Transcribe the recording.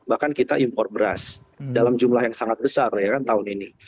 bahkan kita impor beras dalam jumlah yang sangat besar ya kan tahun ini